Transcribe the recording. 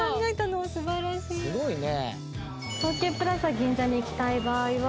すごいね。